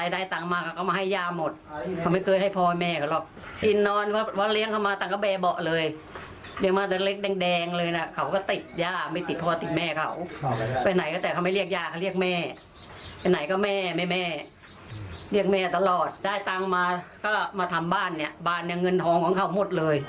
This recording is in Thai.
ได้ตังค์มาก็มาทำบ้านบ้านเงินทองของเขาหมดเลย